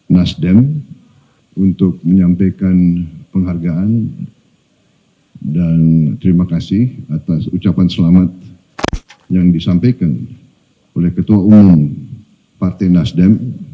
nasdem untuk menyampaikan penghargaan dan terima kasih atas ucapan selamat yang disampaikan oleh ketua umum partai nasdem